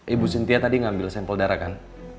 ibu sintia tadi ngambil sampel darah kan